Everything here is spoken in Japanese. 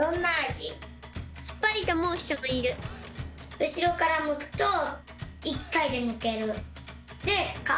うしろからむくと１かいでむける。